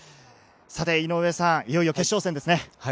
井上さん、いよいよ決勝戦ですね。